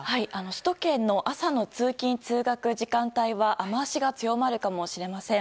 首都圏の朝の通勤・通学の時間帯は雨脚が強まるかもしれません。